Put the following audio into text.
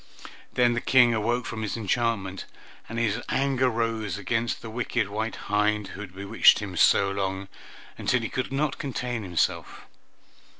Then the King awoke from his enchantment, and his anger rose against the wicked white hind who had bewitched him so long, until he could not contain himself.